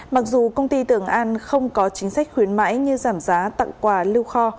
mặc dù công ty tường an không có chính sách khuyến mãi như giảm giá tặng quà lưu kho